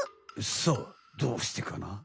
さあどうしてかな？